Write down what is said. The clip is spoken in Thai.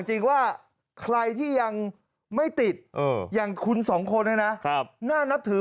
จริงว่าใครที่ยังไม่ติดอย่างคุณสองคนเนี่ยนะน่านับถือ